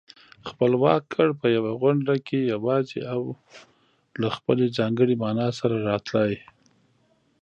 خپلواک گړ په يوه غونډله کې يواځې او له خپلې ځانګړې مانا سره راتلای